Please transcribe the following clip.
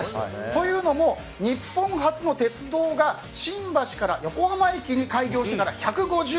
というのも、日本初の鉄道が新橋から横浜駅に開業してから１５０年。